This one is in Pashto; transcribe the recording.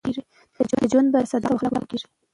د ژوند بریا په صداقت او اخلاقو کښي ده.